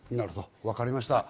分かりました。